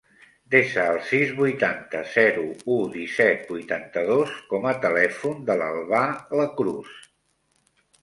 Desa el sis, vuitanta, zero, u, disset, vuitanta-dos com a telèfon de l'Albà Lacruz.